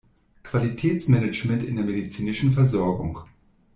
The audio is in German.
Qualitätsmanagement in der medizinischen Versorgung.